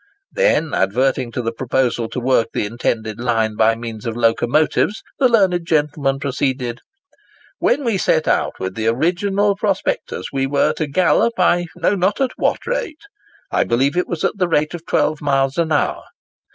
Then adverting to the proposal to work the intended line by means of locomotives, the learned gentleman proceeded: "When we set out with the original prospectus, we were to gallop, I know not at what rate; I believe it was at the rate of 12 miles an hour.